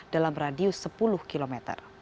dalam radio sepuluh km